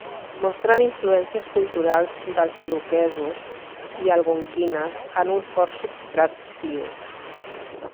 Mostren influències culturals dels iroquesos i algonquines en un fort substrat sioux.